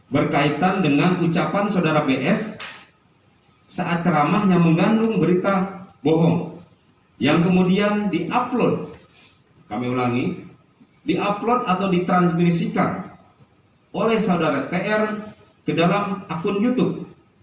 berkaitan dengan ucapan saudara bs saat ceramah yang mengandung berita bohong yang kemudian di upload kami ulangi di upload atau ditransmisikan oleh saudara tr ke dalam akun youtube